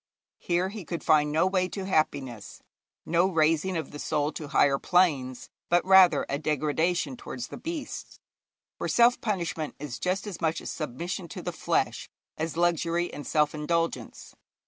Here he could find no way to happiness, no raising of the soul to higher planes, but, rather, a degradation towards the beasts. For self punishment is just as much a submission to the flesh as luxury and self indulgence.